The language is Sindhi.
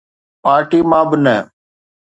پارٽي مان به نه.